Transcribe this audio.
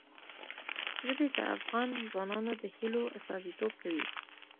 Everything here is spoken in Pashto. ژبې د افغان ځوانانو د هیلو استازیتوب کوي.